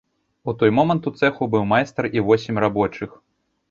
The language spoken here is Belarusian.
У той момант у цэху быў майстар і восем рабочых.